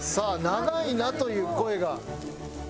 「長いな」という声が。